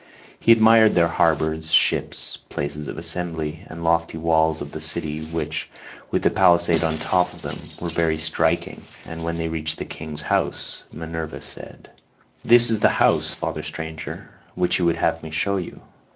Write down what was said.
He admired their harbours, ships, places of assembly, and the lofty walls of the city, which, with the palisade on top of them, were very striking, and when they reached the king's house Minerva said: "This is the house, father stranger, which you would have me show you.